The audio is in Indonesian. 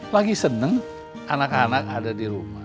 lagi seneng anak anak ada di rumah